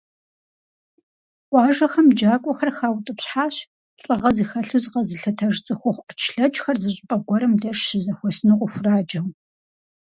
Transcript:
Къуажэхэм джакӀуэхэр хаутӀыпщхьащ, лӀыгъэ зыхэлъу зыкъэзылъытэж цӀыхухъу Ӏэчлъэчхэр зы щӀыпӀэ гуэрым деж щызэхуэсыну къыхураджэу.